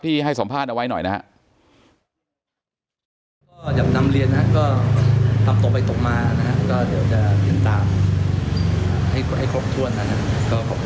ให้สัมภาษณ์เอาไว้หน่อยนะครับ